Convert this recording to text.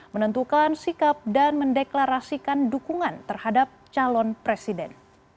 menentukan sikap dan mendeklarasikan dukungan terhadap calon presiden